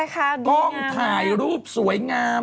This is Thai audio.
กล้องถ่ายรูปสวยงาม